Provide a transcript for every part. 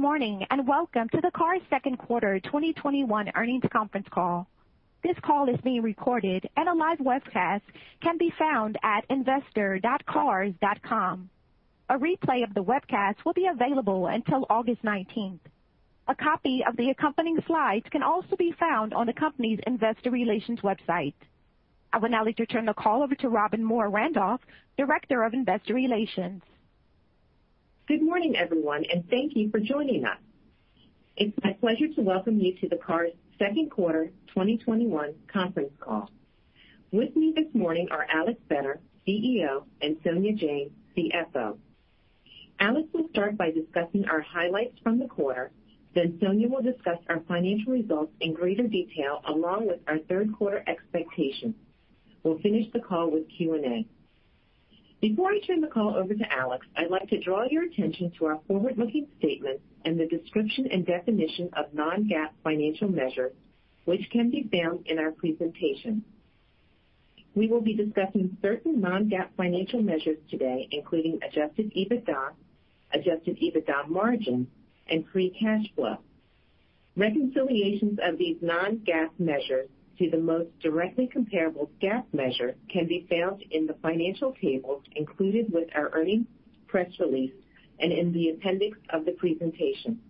Morning. Welcome to the Cars second quarter 2021 earnings conference call. This call is being recorded and a live webcast can be found at investor.cars.com. A replay of the webcast will be available until August 19th. A copy of the accompanying slides can also be found on the company's Investor Relations website. I will now let you turn the call over to Robbin Moore-Randolph, Director of Investor Relations. Good morning, everyone, and thank you for joining us. It's my pleasure to welcome you to the Cars.com second quarter 2021 conference call. With me this morning are Alex Vetter, CEO, and Sonia Jain, CFO. Alex will start by discussing our highlights from the quarter, then Sonia will discuss our financial results in greater detail, along with our third quarter expectations. We'll finish the call with Q&A. Before I turn the call over to Alex, I'd like to draw your attention to our forward-looking statements and the description and definition of non-GAAP financial measures, which can be found in our presentation. We will be discussing certain non-GAAP financial measures today, including adjusted EBITDA, adjusted EBITDA margin, and free cash flow. Reconciliations of these non-GAAP measures to the most directly comparable GAAP measure can be found in the financial tables included with our earnings press release and in the appendix of the presentation.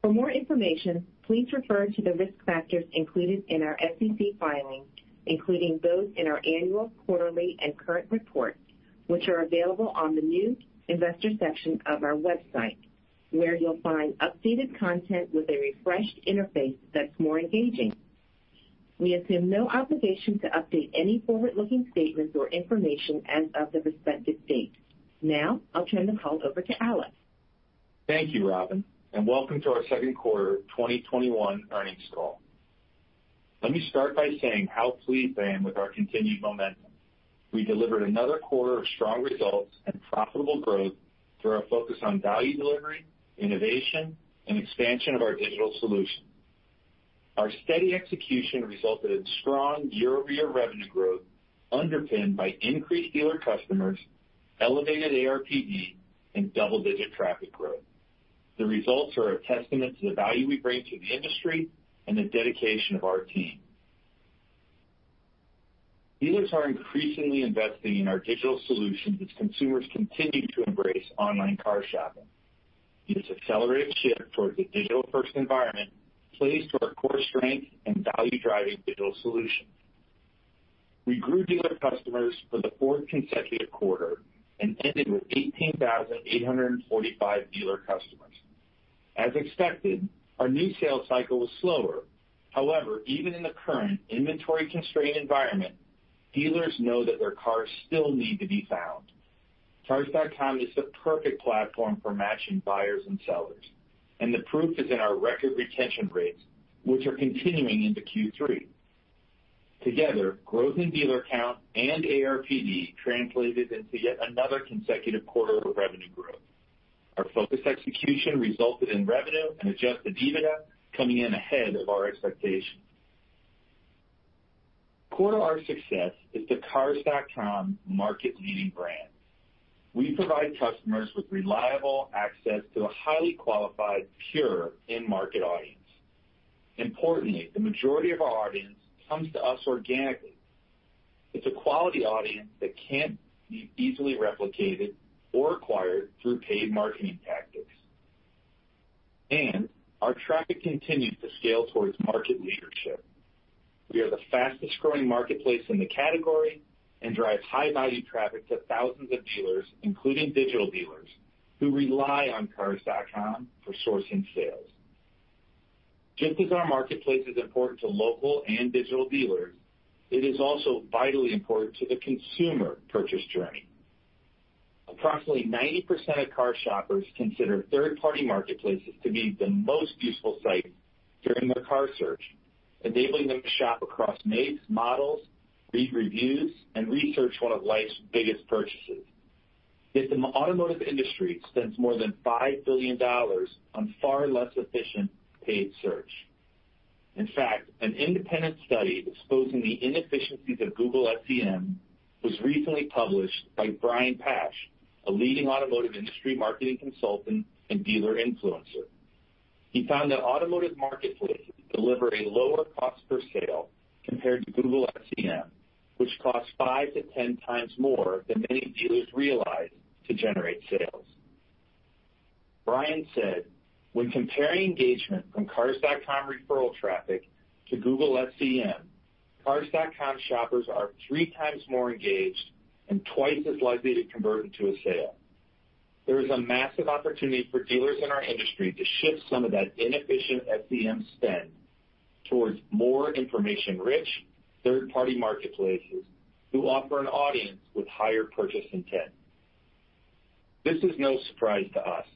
For more information, please refer to the risk factors included in our SEC filing, including those in our annual, quarterly, and current reports, which are available on the new Investor Section of our website, where you'll find updated content with a refreshed interface that's more engaging. We assume no obligation to update any forward-looking statements or information as of the respective date. Now, I'll turn the call over to Alex. Thank you, Robbin, and welcome to our second quarter 2021 earnings call. Let me start by saying how pleased I am with our continued momentum. We delivered another quarter of strong results and profitable growth through our focus on value delivery, innovation, and expansion of our digital solutions. Our steady execution resulted in strong year-over-year revenue growth underpinned by increased dealer customers, elevated ARPD, and double-digit traffic growth. The results are a testament to the value we bring to the industry and the dedication of our team. Dealers are increasingly investing in our digital solutions as consumers continue to embrace online car shopping. This accelerated shift towards a digital-first environment plays to our core strength and value-driving digital solutions. We grew dealer customers for the fourth consecutive quarter and ended with 18,845 dealer customers. As expected, our new sales cycle was slower. However, even in the current inventory-constrained environment, dealers know that their cars still need to be found. Cars.com is the perfect platform for matching buyers and sellers, and the proof is in our record retention rates, which are continuing into Q3. Together, growth in dealer count and ARPD translated into yet another consecutive quarter of revenue growth. Our focused execution resulted in revenue and adjusted EBITDA coming in ahead of our expectations. Core to our success is the Cars.com market-leading brand. We provide customers with reliable access to a highly qualified, pure in-market audience. Importantly, the majority of our audience comes to us organically. It's a quality audience that can't be easily replicated or acquired through paid marketing tactics. Our traffic continues to scale towards market leadership. We are the fastest-growing marketplace in the category and drive high-value traffic to thousands of dealers, including digital dealers, who rely on Cars.com for sourcing sales. Just as our marketplace is important to local and digital dealers, it is also vitally important to the consumer purchase journey. Approximately 90% of car shoppers consider third-party marketplaces to be the most useful site during their car search, enabling them to shop across makes, models, read reviews, and research one of life's biggest purchases. Yet the automotive industry spends more than $5 billion on far less efficient paid search. In fact, an independent study exposing the inefficiencies of Google SEM was recently published by Brian Pasch, a leading automotive industry marketing consultant and dealer influencer. He found that automotive marketplaces deliver a lower cost per sale compared to Google SEM, which costs 5x-10x more than many dealers realize to generate sales. Brian said, "When comparing engagement from Cars.com referral traffic to Google SEM, Cars.com shoppers are 3x more engaged and twice as likely to convert into a sale." There is a massive opportunity for dealers in our industry to shift some of that inefficient SEM spend towards more information-rich third-party marketplaces who offer an audience with higher purchase intent. This is no surprise to us.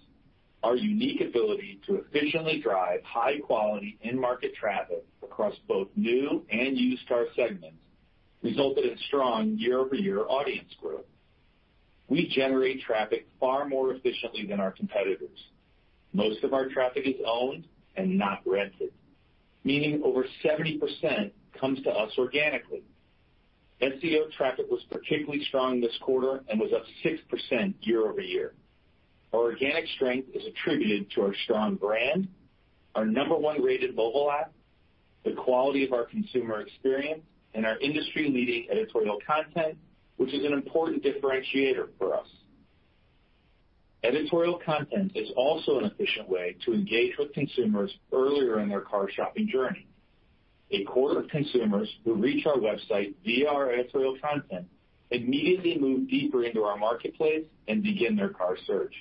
Our unique ability to efficiently drive high-quality in-market traffic across both new and used car segments resulted in strong year-over-year audience growth. We generate traffic far more efficiently than our competitors. Most of our traffic is owned and not rented, meaning over 70% comes to us organically. SEO traffic was particularly strong this quarter and was up 6% year-over-year. Our organic strength is attributed to our strong brand, our number one-rated mobile app, the quality of our consumer experience, and our industry-leading editorial content, which is an important differentiator for us. Editorial content is also an efficient way to engage with consumers earlier in their car shopping journey. A quarter of consumers who reach our website via our editorial content immediately move deeper into our marketplace and begin their car search.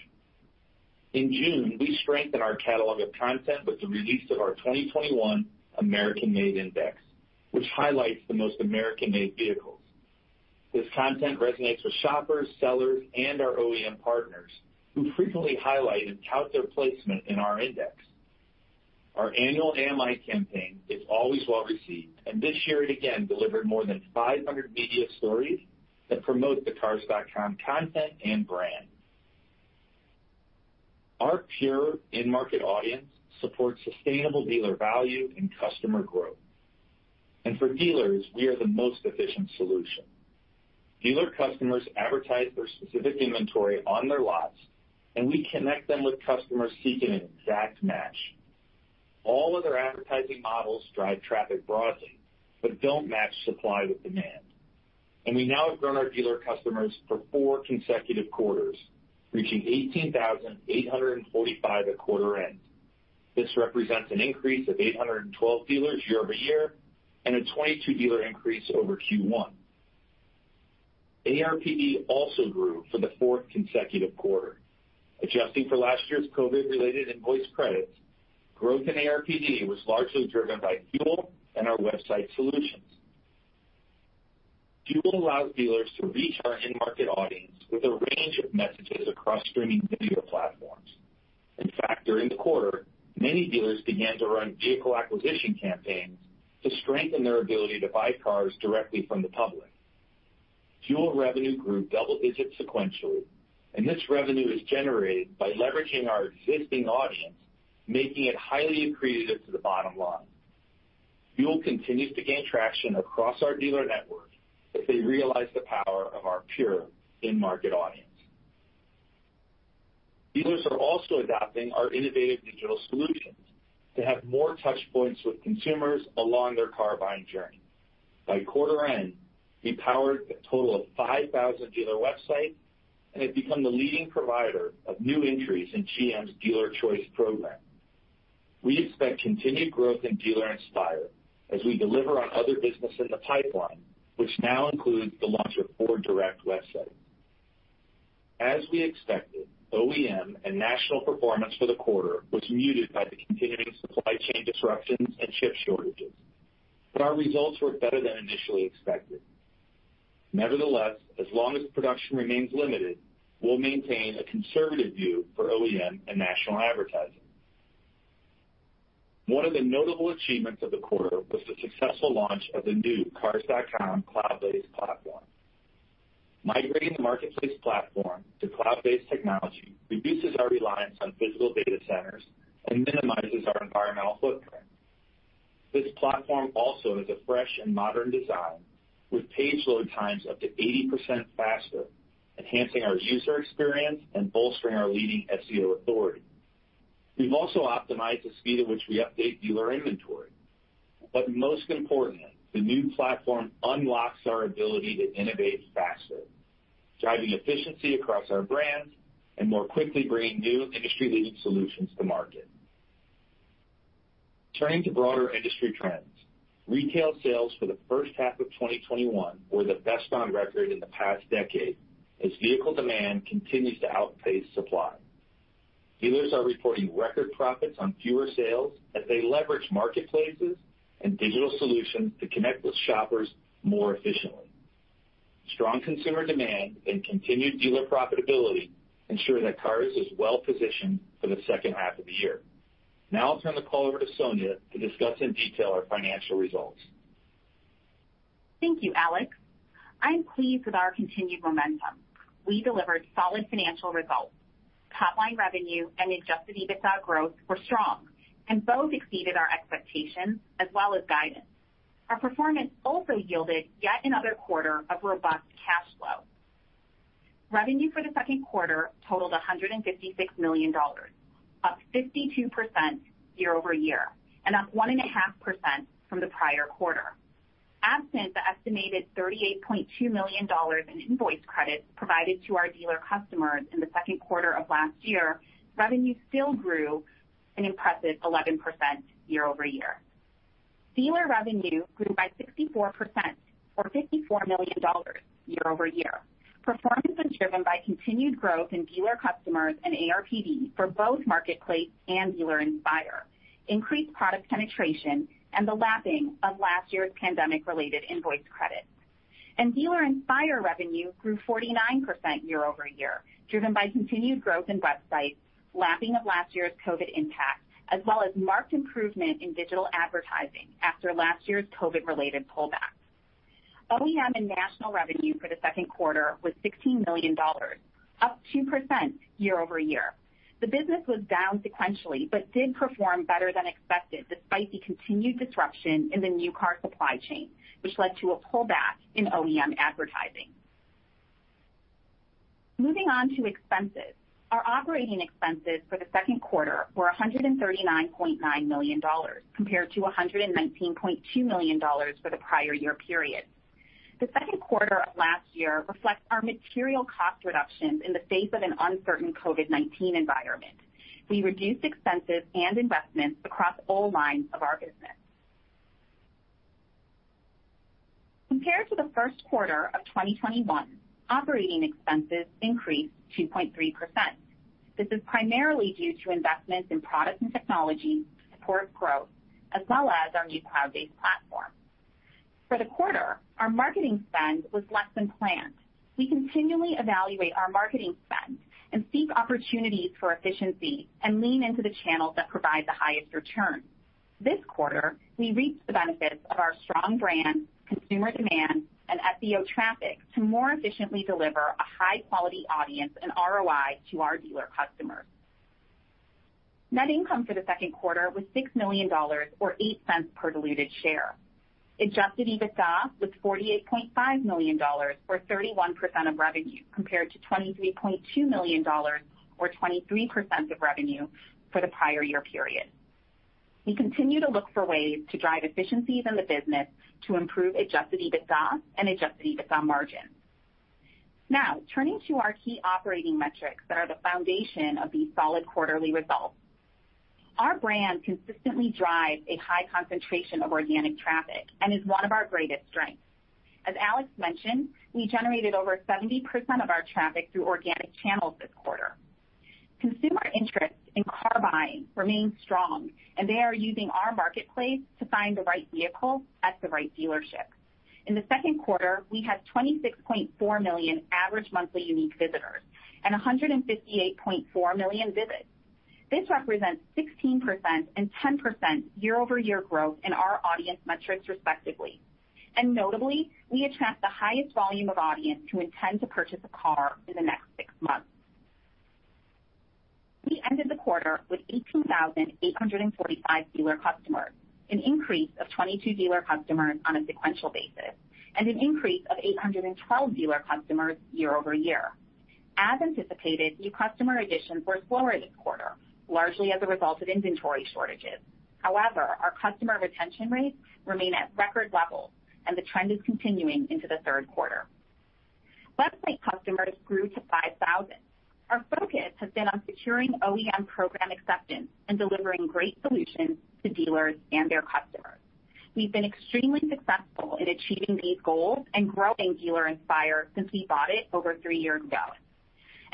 In June, we strengthened our catalog of content with the release of our 2021 American-Made Index, which highlights the most American-made vehicles. This content resonates with shoppers, sellers, and our OEM partners, who frequently highlight and tout their placement in our index. Our annual AMI campaign is always well received, and this year it again delivered more than 500 media stories that promote the Cars.com content and brand. Our pure in-market audience supports sustainable dealer value and customer growth. For dealers, we are the most efficient solution. Dealer customers advertise their specific inventory on their lots, and we connect them with customers seeking an exact match. All other advertising models drive traffic broadly but don't match supply with demand. We now have grown our dealer customers for four consecutive quarters, reaching 18,845 at quarter end. This represents an increase of 812 dealers year-over-year and a 22 dealer increase over Q1. ARPD also grew for the fourth consecutive quarter. Adjusting for last year's COVID-19-related invoice credits, growth in ARPD was largely driven by FUEL and our website solutions. FUEL allows dealers to reach our in-market audience with a range of messages across streaming video platforms. In fact, during the quarter, many dealers began to run vehicle acquisition campaigns to strengthen their ability to buy cars directly from the public. FUEL revenue grew double digits sequentially, and this revenue is generated by leveraging our existing audience, making it highly accretive to the bottom line. FUEL continues to gain traction across our dealer network as they realize the power of our pure in-market audience. Dealers are also adopting our innovative digital solutions to have more touchpoints with consumers along their car-buying journey. By quarter end, we powered a total of 5,000 dealer websites and have become the leading provider of new entries in GM's Dealer Choice program. We expect continued growth in Dealer Inspire as we deliver on other business in the pipeline, which now includes the launch of FordDirect websites. As we expected, OEM and national performance for the quarter was muted by the continuing supply chain disruptions and chip shortages, but our results were better than initially expected. Nevertheless, as long as production remains limited, we'll maintain a conservative view for OEM and national advertising. One of the notable achievements of the quarter was the successful launch of the new Cars.com cloud-based platform. Migrating the marketplace platform to cloud-based technology reduces our reliance on physical data centers and minimizes our environmental footprint. This platform also has a fresh and modern design with page load times up to 80% faster, enhancing our user experience and bolstering our leading SEO authority. We've also optimized the speed at which we update dealer inventory. Most importantly, the new platform unlocks our ability to innovate faster, driving efficiency across our brands and more quickly bringing new industry-leading solutions to market. Turning to broader industry trends, retail sales for the first half of 2021 were the best on record in the past decade, as vehicle demand continues to outpace supply. Dealers are reporting record profits on fewer sales as they leverage marketplaces and digital solutions to connect with shoppers more efficiently. Strong consumer demand and continued dealer profitability ensure that Cars is well positioned for the second half of the year. Now I'll turn the call over to Sonia to discuss in detail our financial results. Thank you, Alex. I'm pleased with our continued momentum. We delivered solid financial results. Top-line revenue and adjusted EBITDA growth were strong and both exceeded our expectations as well as guidance. Our performance also yielded yet another quarter of robust cash flow. Revenue for the second quarter totaled $156 million, up 52% year-over-year, and up one and a half percent from the prior quarter. Absent the estimated $38.2 million in invoice credits provided to our dealer customers in the second quarter of last year, revenue still grew an impressive 11% year-over-year. Dealer revenue grew by 64%, or $54 million, year-over-year. Performance was driven by continued growth in dealer customers and ARPD for both Marketplace and Dealer Inspire, increased product penetration, and the lapping of last year's pandemic-related invoice credits. Dealer Inspire revenue grew 49% year-over-year, driven by continued growth in websites, lapping of last year's COVID impact, as well as marked improvement in digital advertising after last year's COVID-related pullback. OEM and national revenue for the second quarter was $16 million, up 2% year-over-year. The business was down sequentially, but did perform better than expected despite the continued disruption in the new car supply chain, which led to a pullback in OEM advertising. Moving on to expenses. Our operating expenses for the second quarter were $139.9 million, compared to $119.2 million for the prior year period. The second quarter of last year reflects our material cost reductions in the face of an uncertain COVID-19 environment. We reduced expenses and investments across all lines of our business. Compared to the first quarter of 2021, operating expenses increased 2.3%. This is primarily due to investments in products and technology to support growth, as well as our new cloud-based platform. For the quarter, our marketing spend was less than planned. We continually evaluate our marketing spend and seek opportunities for efficiency and lean into the channels that provide the highest return. This quarter, we reaped the benefits of our strong brand, consumer demand, and SEO traffic to more efficiently deliver a high-quality audience and ROI to our dealer customers. Net income for the second quarter was $6 million, or $0.08 per diluted share. Adjusted EBITDA was $48.5 million, or 31% of revenue, compared to $23.2 million, or 23% of revenue for the prior year period. We continue to look for ways to drive efficiencies in the business to improve adjusted EBITDA and adjusted EBITDA margins. Now, turning to our key operating metrics that are the foundation of these solid quarterly results. Our brand consistently drives a high concentration of organic traffic and is one of our greatest strengths. As Alex mentioned, we generated over 70% of our traffic through organic channels this quarter. Consumer interest in car buying remains strong, and they are using our marketplace to find the right vehicle at the right dealership. In the second quarter, we had 26.4 million average monthly unique visitors and 158.4 million visits. This represents 16% and 10% year-over-year growth in our audience metrics respectively. Notably, we attract the highest volume of audience who intend to purchase a car in the next six months. We ended the quarter with 18,845 dealer customers, an increase of 22 dealer customers on a sequential basis, and an increase of 812 dealer customers year-over-year. As anticipated, new customer additions were slower this quarter, largely as a result of inventory shortages. However, our customer retention rates remain at record levels, and the trend is continuing into the third quarter. Website customers grew to 5,000. Our focus has been on securing OEM program acceptance and delivering great solutions to dealers and their customers. We've been extremely successful in achieving these goals and growing Dealer Inspire since we bought it over three years ago.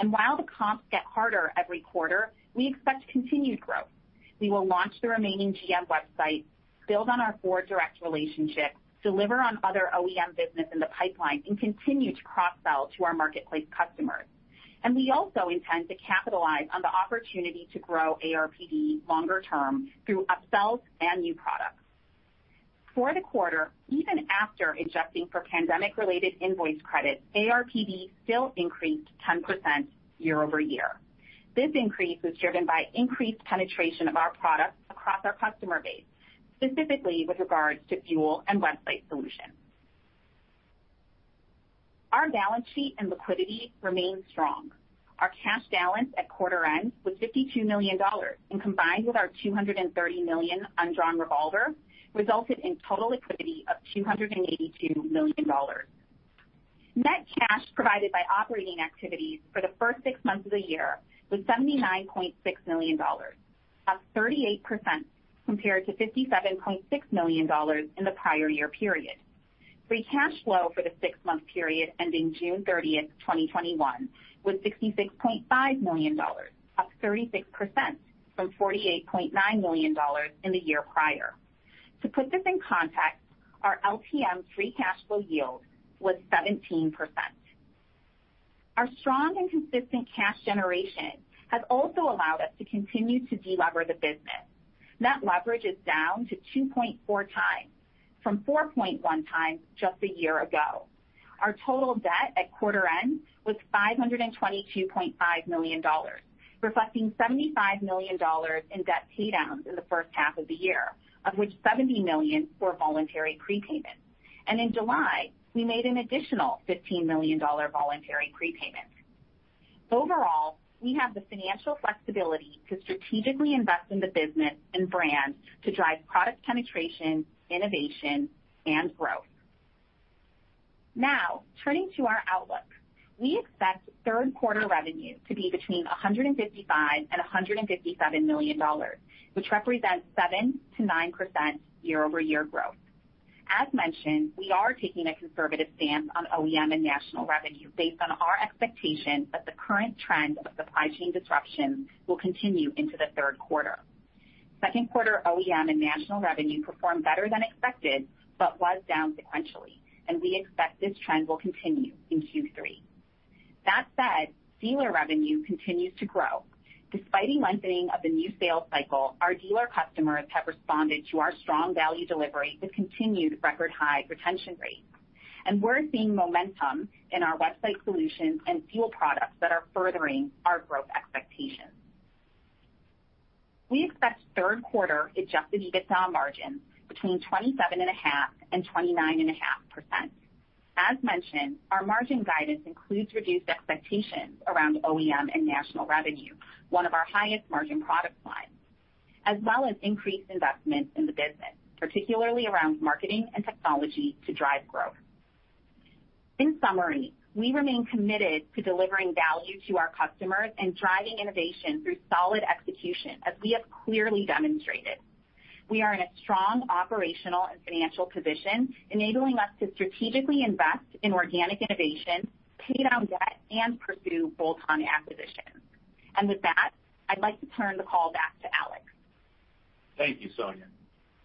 While the comps get harder every quarter, we expect continued growth. We will launch the remaining GM websites, build on our FordDirect relationship, deliver on other OEM business in the pipeline, and continue to cross-sell to our marketplace customers. We also intend to capitalize on the opportunity to grow ARPD longer term through upsells and new products. For the quarter, even after adjusting for pandemic-related invoice credits, ARPD still increased 10% year-over-year. This increase was driven by increased penetration of our products across our customer base, specifically with regards to FUEL and website solutions. Our balance sheet and liquidity remain strong. Our cash balance at quarter end was $52 million, and combined with our $230 million undrawn revolver, resulted in total liquidity of $282 million. Net cash provided by operating activities for the first six-months of the year was $79.6 million, up 38% compared to $57.6 million in the prior year period. Free cash flow for the six-month period ending June 30th, 2021, was $66.5 million, up 36% from $48.9 million in the year prior. To put this in context, our LTM free cash flow yield was 17%. Our strong and consistent cash generation has also allowed us to continue to de-lever the business. Net leverage is down to 2.4x from 4.1x just a year ago. Our total debt at quarter end was $522.5 million, reflecting $75 million in debt paydowns in the first half of the year, of which $70 million were voluntary prepayments. In July, we made an additional $15 million voluntary prepayment. Overall, we have the financial flexibility to strategically invest in the business and brand to drive product penetration, innovation, and growth. Now, turning to our outlook. We expect third quarter revenue to be between $155 million and $157 million, which represents 7%-9% year-over-year growth. As mentioned, we are taking a conservative stance on OEM and national revenue based on our expectation that the current trend of supply chain disruptions will continue into the third quarter. Second quarter OEM and national revenue performed better than expected but was down sequentially. We expect this trend will continue in Q3. That said, dealer revenue continues to grow. Despite the lengthening of the new sales cycle, our dealer customers have responded to our strong value delivery with continued record high retention rates. We're seeing momentum in our website solutions and FUEL products that are furthering our growth expectations. We expect third quarter adjusted EBITDA margin between 27.5% and 29.5%. As mentioned, our margin guidance includes reduced expectations around OEM and national revenue, one of our highest margin product lines, as well as increased investment in the business, particularly around marketing and technology to drive growth. In summary, we remain committed to delivering value to our customers and driving innovation through solid execution as we have clearly demonstrated. We are in a strong operational and financial position, enabling us to strategically invest in organic innovation, pay down debt, and pursue bolt-on acquisitions. With that, I'd like to turn the call back to Alex. Thank you, Sonia.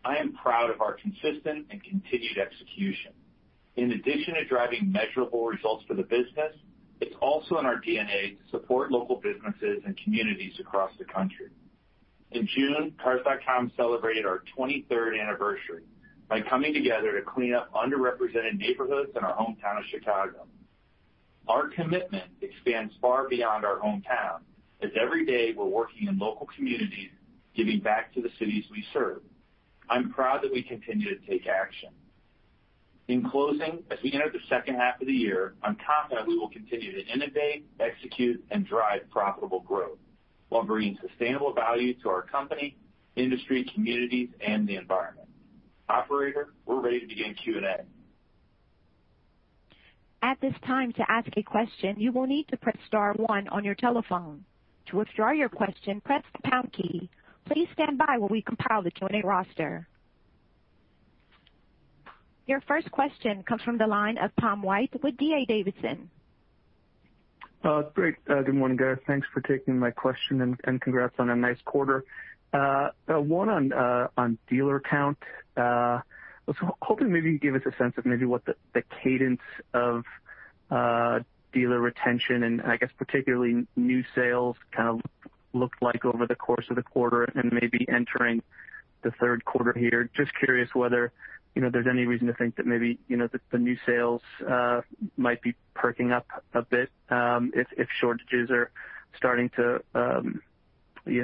I am proud of our consistent and continued execution. In addition to driving measurable results for the business, it's also in our DNA to support local businesses and communities across the country. In June, Cars.com celebrated our 23rd anniversary by coming together to clean up underrepresented neighborhoods in our hometown of Chicago. Our commitment expands far beyond our hometown, as every day we're working in local communities, giving back to the cities we serve. I'm proud that we continue to take action. In closing, as we enter the second half of the year, I'm confident we will continue to innovate, execute, and drive profitable growth while bringing sustainable value to our company, industry, communities, and the environment. Operator, we're ready to begin Q&A. Your first question comes from the line of Tom White with D.A. Davidson. Great. Good morning, guys. Thanks for taking my question. Congrats on a nice quarter. One on dealer count. I was hoping maybe you could give us a sense of maybe what the cadence of dealer retention and I guess particularly new sales kind of looked like over the course of the quarter and maybe entering the third quarter here. Just curious whether there's any reason to think that maybe the new sales might be perking up a bit, if shortages are starting to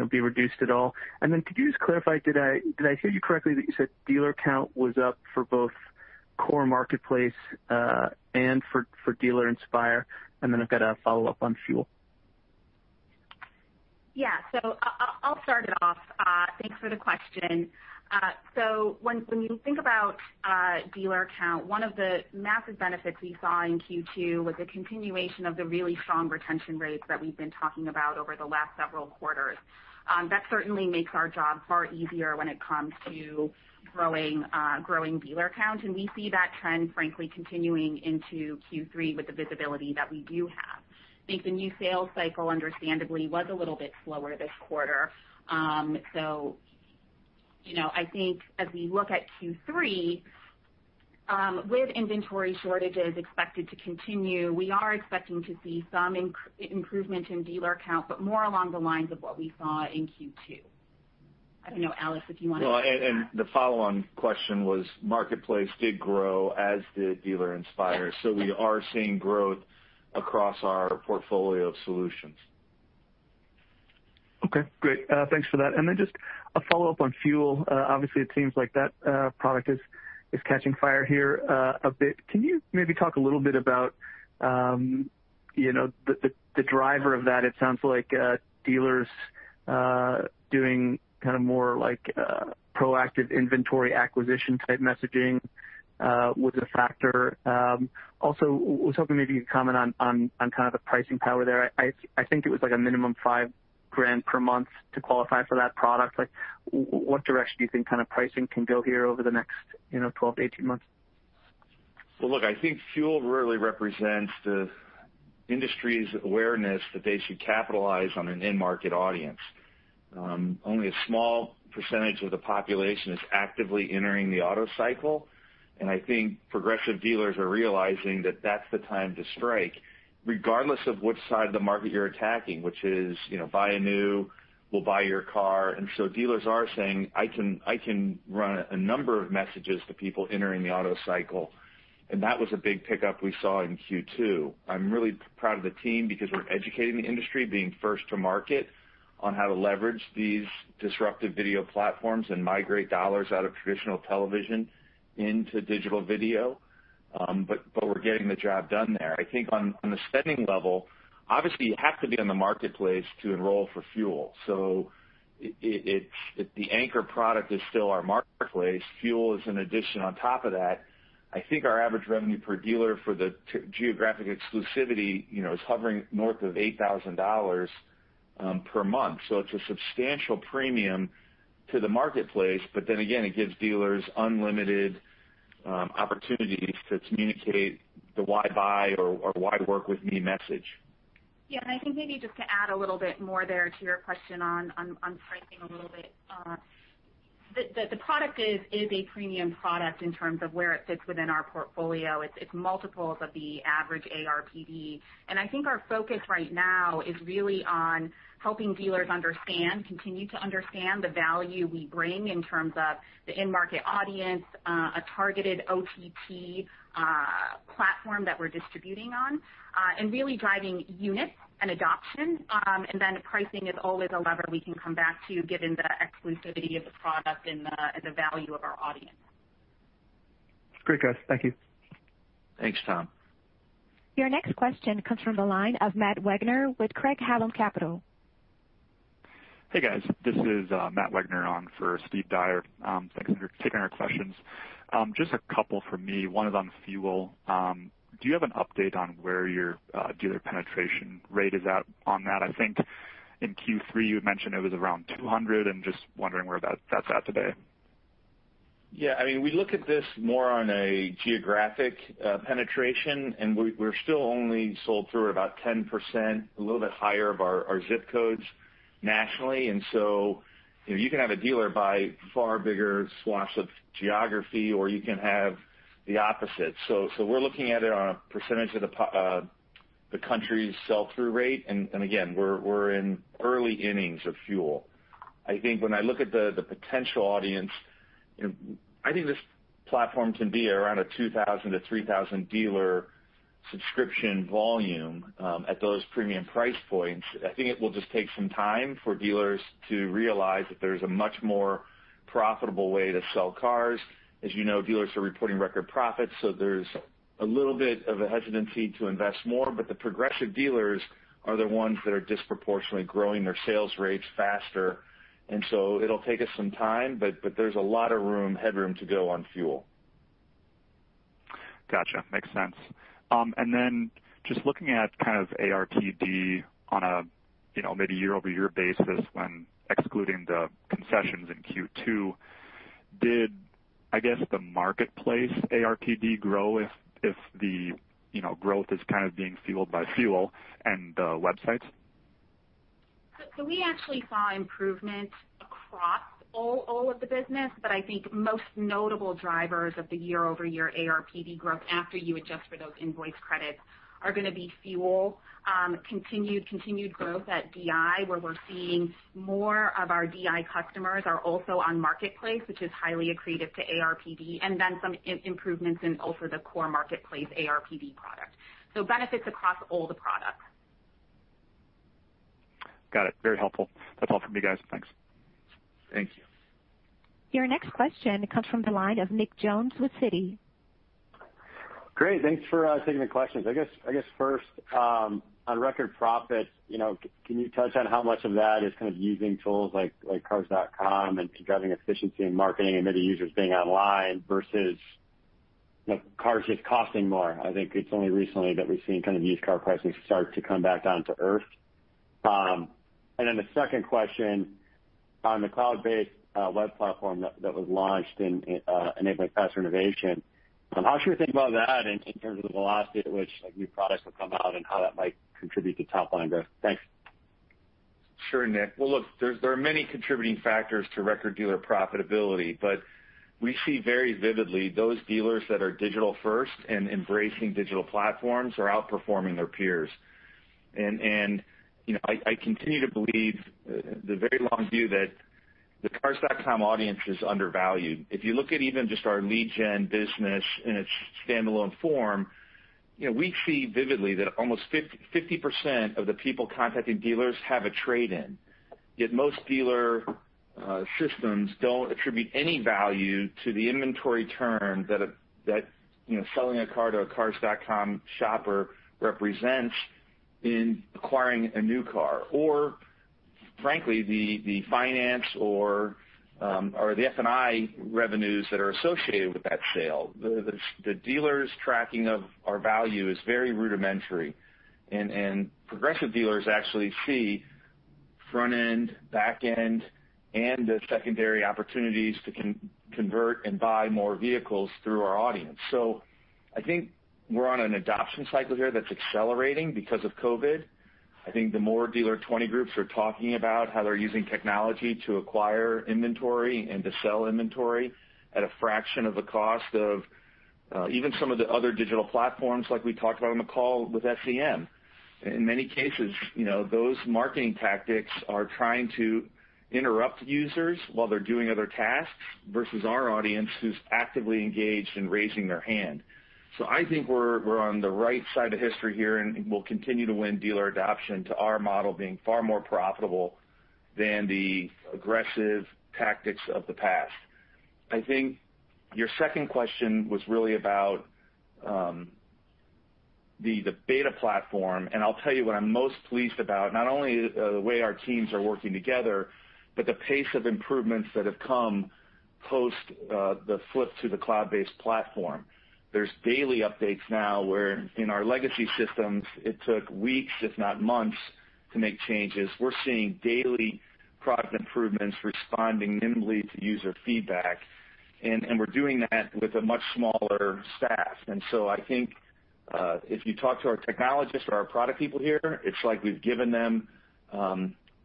be reduced at all. Could you just clarify, did I hear you correctly that you said dealer count was up for both core Marketplace and for Dealer Inspire? I've got a follow-up on FUEL. Yeah. I'll start it off. Thanks for the question. When you think about dealer count, one of the massive benefits we saw in Q2 was the continuation of the really strong retention rates that we've been talking about over the last several quarters. That certainly makes our job far easier when it comes to growing dealer count, and we see that trend frankly continuing into Q3 with the visibility that we do have. I think the new sales cycle understandably was a little bit slower this quarter. I think as we look at Q3, with inventory shortages expected to continue, we are expecting to see some improvement in dealer count, but more along the lines of what we saw in Q2. I don't know, Alex, if you want to. Well, the follow-on question was, Marketplace did grow, as did Dealer Inspire. We are seeing growth across our portfolio of solutions. Okay, great. Thanks for that. Then just a follow-up on FUEL. Obviously, it seems like that product is catching fire here a bit. Can you maybe talk a little bit about the driver of that? It sounds like dealers doing more proactive inventory acquisition type messaging was a factor. Was hoping maybe you could comment on kind of the pricing power there. I think it was a minimum $5,000 per month to qualify for that product. What direction do you think pricing can go here over the next 12 months-18 months? Look, I think FUEL really represents the industry's awareness that they should capitalize on an in-market audience. Only a small percentage of the population is actively entering the auto cycle, and I think progressive dealers are realizing that that's the time to strike, regardless of which side of the market you're attacking, which is buy a new, we'll buy your car. Dealers are saying, "I can run a number of messages to people entering the auto cycle," and that was a big pickup we saw in Q2. I'm really proud of the team because we're educating the industry, being first to market on how to leverage these disruptive video platforms and migrate dollars out of traditional television into digital video, but we're getting the job done there. On the spending level, obviously, you have to be on the Marketplace to enroll for FUEL. The anchor product is still our Marketplace. FUEL is an addition on top of that. I think our average revenue per dealer for the geographic exclusivity is hovering north of $8,000 per month. It's a substantial premium to the Marketplace, but then again, it gives dealers unlimited opportunities to communicate the why buy or why work with me message. Yeah, I think maybe just to add a little bit more there to your question on pricing a little bit. The product is a premium product in terms of where it fits within our portfolio. It's multiples of the average ARPD. I think our focus right now is really on helping dealers continue to understand the value we bring in terms of the in-market audience, a targeted OTT platform that we're distributing on, and really driving units and adoption. Then pricing is always a lever we can come back to, given the exclusivity of the product and the value of our audience. Great, guys. Thank you. Thanks, Tom. Your next question comes from the line of Matt Wegner with Craig-Hallum Capital. Hey, guys. This is Matt Wegner on for Steve Dyer. Thanks for taking our questions. Just a couple from me, one is on FUEL. Do you have an update on where your dealer penetration rate is at on that? I think in Q3, you had mentioned it was around 200, and just wondering where that's at today. Yeah. We look at this more on a geographic penetration, we're still only sold through about 10%, a little bit higher of our zip codes nationally. You can have a dealer buy far bigger swaths of geography, or you can have the opposite. We're looking at it on a percentage of the country's sell-through rate. Again, we're in early innings of FUEL. I think when I look at the potential audience, I think this platform can be around a 2,000 to 3,000 dealer subscription volume, at those premium price points. I think it will just take some time for dealers to realize that there's a much more profitable way to sell cars. As you know, dealers are reporting record profits, there's a little bit of a hesitancy to invest more. The progressive dealers are the ones that are disproportionately growing their sales rates faster, and so it'll take us some time, but there's a lot of headroom to go on FUEL. Gotcha. Makes sense. Just looking at kind of ARPD on a maybe year-over-year basis when excluding the concessions in Q2, did I guess the marketplace ARPD grow if the growth is kind of being fueled by FUEL and the websites? We actually saw improvement across all of the business. I think most notable drivers of the year-over-year ARPD growth after you adjust for those invoice credits are going to be FUEL, continued growth at DI, where we're seeing more of our DI customers are also on Marketplace, which is highly accretive to ARPD, and then some improvements in also the core Marketplace ARPD product. Benefits across all the products. Got it. Very helpful. That's all from me, guys. Thanks. Thank you. Your next question comes from the line of Nick Jones with Citi. Great. Thanks for taking the questions. I guess first, on record profit, can you touch on how much of that is kind of using tools like Cars.com and driving efficiency in marketing and maybe users being online versus cars just costing more? I think it's only recently that we've seen used car pricing start to come back down to earth. The second question on the cloud-based web platform that was launched in enabling faster innovation, how should we think about that in terms of the velocity at which new products will come out and how that might contribute to top-line growth? Thanks. Sure, Nick. Look, there are many contributing factors to record dealer profitability, but we see very vividly those dealers that are digital-first and embracing digital platforms are outperforming their peers. I continue to believe the very long view that the Cars.com audience is undervalued. If you look at even just our lead gen business in its standalone form, we see vividly that almost 50% of the people contacting dealers have a trade-in. Most dealer systems don't attribute any value to the inventory turn that selling a car to a Cars.com shopper represents in acquiring a new car. Frankly, the finance or the F&I revenues that are associated with that sale. The dealer's tracking of our value is very rudimentary, and progressive dealers actually see front end, back end, and the secondary opportunities to convert and buy more vehicles through our audience. I think we're on an adoption cycle here that's accelerating because of COVID-19. I think the more dealer 20 groups are talking about how they're using technology to acquire inventory and to sell inventory at a fraction of the cost of even some of the other digital platforms like we talked about on the call with SEM. In many cases, those marketing tactics are trying to interrupt users while they're doing other tasks versus our audience who's actively engaged and raising their hand. I think we're on the right side of history here, and we'll continue to win dealer adoption to our model being far more profitable than the aggressive tactics of the past. I think your second question was really about the beta platform. I'll tell you what I'm most pleased about, not only the way our teams are working together but the pace of improvements that have come post the flip to the cloud-based platform. There's daily updates now where in our legacy systems it took weeks, if not months to make changes. We're seeing daily product improvements responding nimbly to user feedback, we're doing that with a much smaller staff. I think, if you talk to our technologists or our product people here, it's like we've given them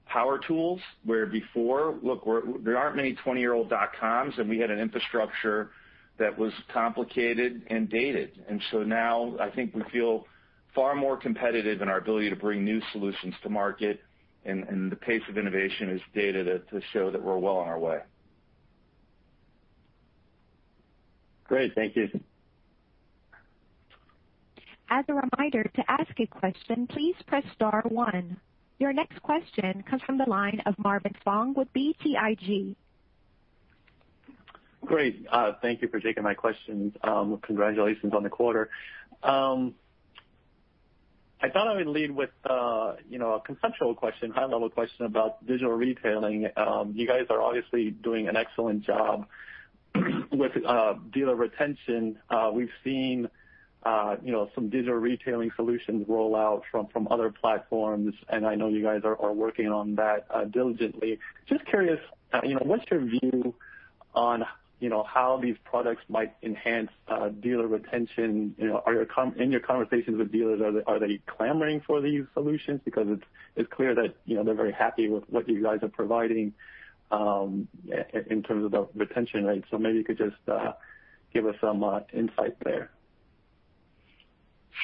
power tools where before, look, there aren't many 20-year-old dotcoms, we had an infrastructure that was complicated and dated. Now I think we feel far more competitive in our ability to bring new solutions to market. The pace of innovation is data to show that we're well on our way. Great. Thank you. As a reminder, to ask a question, please press star one. Your next question comes from the line of Marvin Fong with BTIG. Great. Thank you for taking my questions. Congratulations on the quarter. I thought I would lead with a conceptual question, high-level question about digital retailing. You guys are obviously doing an excellent job with dealer retention. We've seen some digital retailing solutions roll out from other platforms, and I know you guys are working on that diligently. Just curious, what's your view on how these products might enhance dealer retention? In your conversations with dealers, are they clamoring for these solutions? Because it's clear that they're very happy with what you guys are providing in terms of the retention rate. Maybe you could just give us some insight there.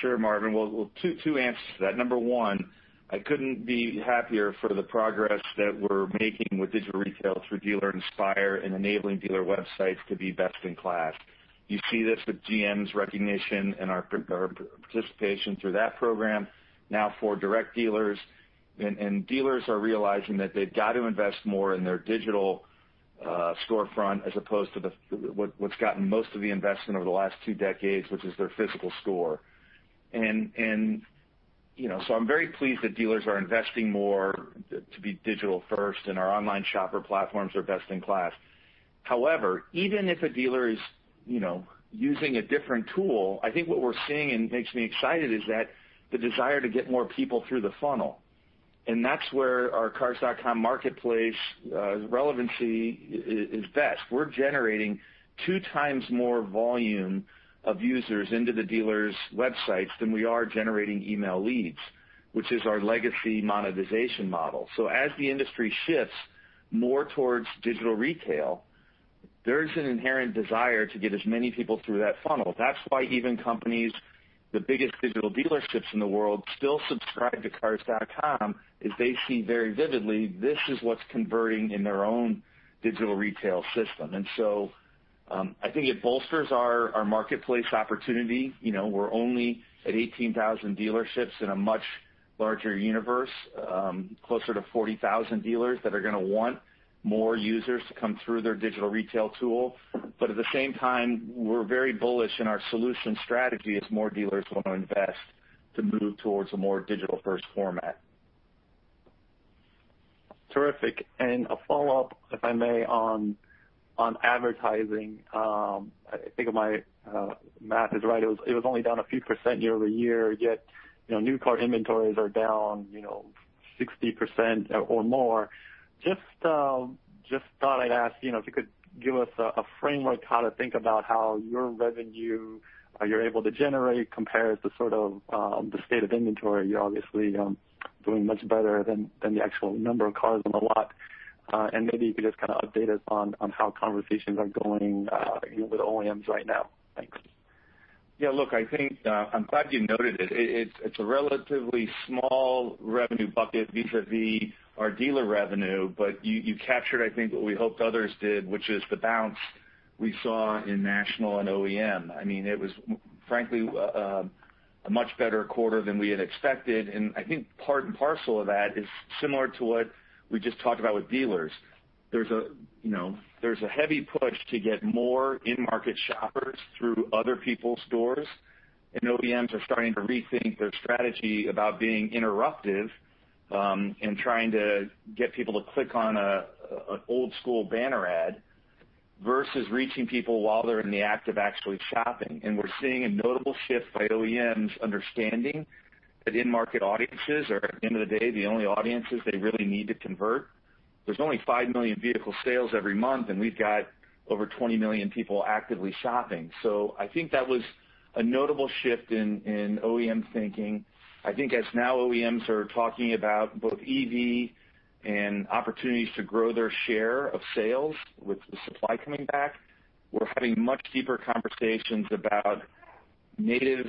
Sure, Marvin. Well, two answers to that. Number one, I couldn't be happier for the progress that we're making with digital retail through Dealer Inspire and enabling dealer websites to be best in class. You see this with GM's recognition and our participation through that program. Now for FordDirect dealers are realizing that they've got to invest more in their digital storefront as opposed to what's gotten most of the investment over the last two decades, which is their physical store. I'm very pleased that dealers are investing more to be digital first, and our online shopper platforms are best in class. However, even if a dealer is using a different tool, I think what we're seeing, and makes me excited, is that the desire to get more people through the funnel. That's where our Cars.com marketplace relevancy is best. We're generating 2x more volume of users into the dealers' websites than we are generating email leads, which is our legacy monetization model. As the industry shifts more towards digital retail, there's an inherent desire to get as many people through that funnel. That's why even companies, the biggest digital dealerships in the world, still subscribe to Cars.com, is they see very vividly this is what's converting in their own digital retail system. I think it bolsters our marketplace opportunity. We're only at 18,000 dealerships in a much larger universe, closer to 40,000 dealers that are going to want more users to come through their digital retail tool. At the same time, we're very bullish in our solution strategy as more dealers want to invest to move towards a more digital first format. Terrific. A follow-up, if I may, on advertising. I think if my math is right, it was only down a few % year-over-year, yet new car inventories are down 60% or more. Just thought I'd ask if you could give us a framework how to think about how your revenue you're able to generate compares to sort of the state of inventory. You're obviously doing much better than the actual number of cars on the lot. Maybe if you could just kind of update us on how conversations are going with OEMs right now. Thanks. Yeah, look, I think I'm glad you noted it. It's a relatively small revenue bucket vis-a-vis our dealer revenue. You captured, I think, what we hoped others did, which is the bounce we saw in national and O`EM. It was frankly a much better quarter than we had expected, and I think part and parcel of that is similar to what we just talked about with dealers. There's a heavy push to get more in-market shoppers through other people's stores. OEMs are starting to rethink their strategy about being interruptive and trying to get people to click on an old school banner ad versus reaching people while they're in the act of actually shopping. We're seeing a notable shift by OEMs understanding that in-market audiences are, at the end of the day, the only audiences they really need to convert. There's only five million vehicle sales every month, and we've got over 20 million people actively shopping. I think that was a notable shift in OEM thinking. I think as now OEMs are talking about both EV and opportunities to grow their share of sales with the supply coming back, we're having much deeper conversations about native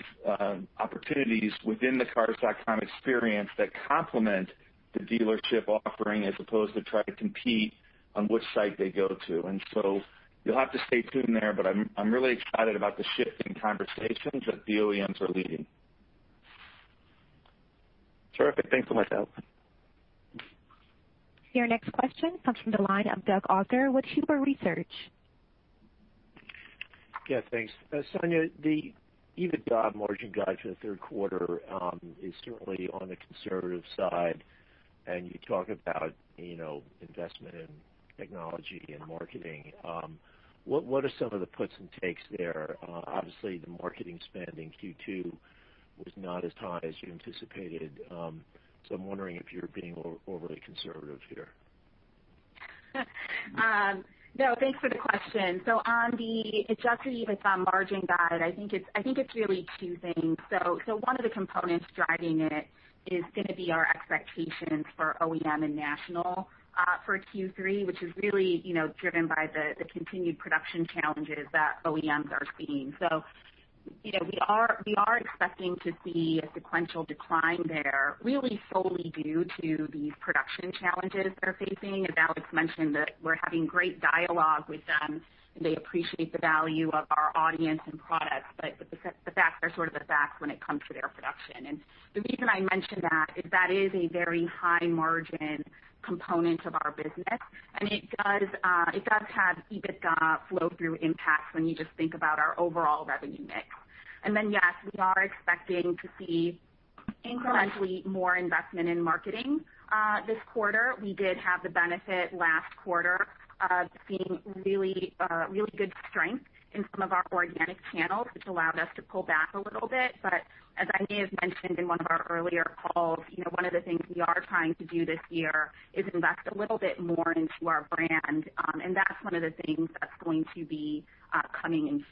opportunities within the Cars.com experience that complement the dealership offering as opposed to try to compete on which site they go to. You'll have to stay tuned there, but I'm really excited about the shift in conversations that the OEMs are leading. Terrific. Thanks so much, Alex Vetter. Your next question comes from the line of Doug Arthur with Huber Research. Yeah, thanks. Sonia, the EBITDA margin guide for the third quarter is certainly on the conservative side, and you talk about investment in technology and marketing. What are some of the puts and takes there? Obviously, the marketing spend in Q2 was not as high as you anticipated so I'm wondering if you're being overly conservative here. No, thanks for the question. On the adjusted EBITDA margin guide, I think it's really two things. One of the components driving it is going to be our expectations for OEM and national for Q3, which is really driven by the continued production challenges that OEMs are seeing. We are expecting to see a sequential decline there really solely due to these production challenges they're facing. As Alex mentioned, we're having great dialogue with them, and they appreciate the value of our audience and products. The facts are sort of the facts when it comes to their production. The reason I mention that is that is a very high-margin component of our business, and it does have EBITDA flow-through impacts when you just think about our overall revenue mix. Yes, we are expecting to see incrementally more investment in marketing this quarter. We did have the benefit last quarter of seeing really good strength in some of our organic channels, which allowed us to pull back a little bit. As I may have mentioned in one of our earlier calls, one of the things we are trying to do this year is invest a little bit more into our brand. That's one of the things that's going to be coming in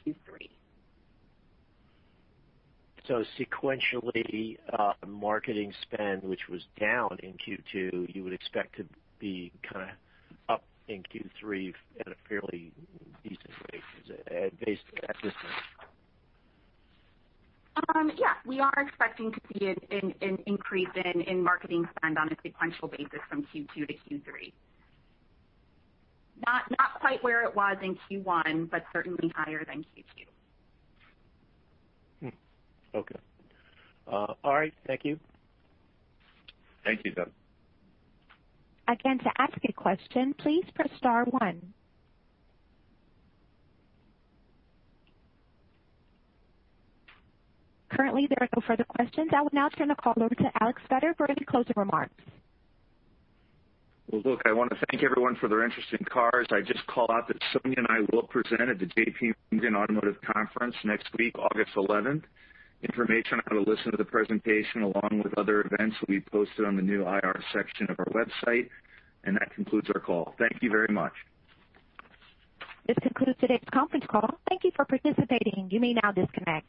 Q3. Sequentially, marketing spend, which was down in Q2, you would expect to be kind of up in Q3 at a fairly decent rate based at this time? Yeah. We are expecting to see an increase in marketing spend on a sequential basis from Q2 to Q3. Not quite where it was in Q1, but certainly higher than Q2. Okay. All right. Thank you. Thank you, Doug. Again, to ask a question, please press star one. Currently, there are no further questions. I would now turn the call over to Alex Vetter for any closing remarks. Well, look, I want to thank everyone for their interest in CARS. I'd just call out that Sonia Jain and I will present at the JPMorgan Automotive Conference next week, August 11th. Information on how to listen to the presentation, along with other events, will be posted on the new IR section of our website. That concludes our call. Thank you very much. This concludes today's conference call. Thank you for participating. You may now disconnect.